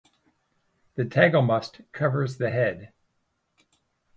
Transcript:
The tagelmust covers the head.